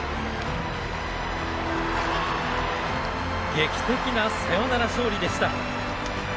劇的なサヨナラ勝利でした。